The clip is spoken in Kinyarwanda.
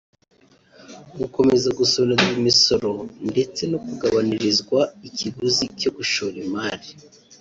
gukomeza gusonerwa imisoro ndetse no kugabanirizwa ikiguzi cyo gushora imari